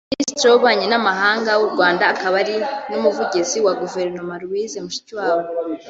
Minisitiri w’ububanyi n’ amahanga w’u Rwanda akaba n’umuvugizi wa guverinoma Louise Mushikiwabo